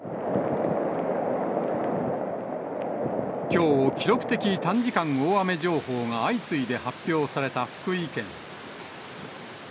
きょう、記録的短時間大雨情報が相次いで発表された福井県。